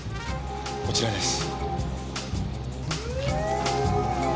こちらです。